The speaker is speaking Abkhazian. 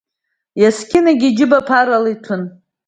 Есқьынгьы иџьыба ԥарала иҭәын.